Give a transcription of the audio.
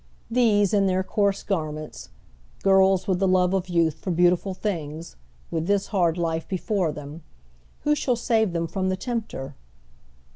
These in their coarse garments — girls with the love of youth for beauti ful things, with this hard life before them — ^who shall save them from the tempter